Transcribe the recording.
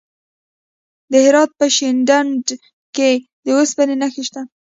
د هرات په شینډنډ کې د اوسپنې نښې شته.